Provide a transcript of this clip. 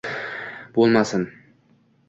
Bo’lmasin